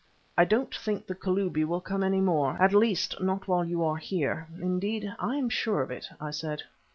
"I don't think the Kalubi will come any more; at least, not while you are here. Indeed, I am sure of it," I said.